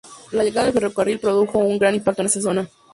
La llegada del ferrocarril produjo un gran impacto en esta zona.